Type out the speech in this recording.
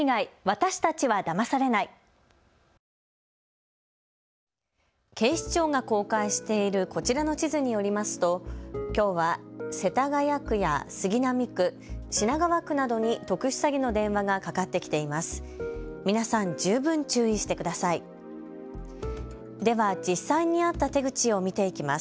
私たちはだまされない警視庁が公開しているこちらの地図によりますときょうは世田谷区や杉並区、品川区などに特殊詐欺の電話がかかってきています。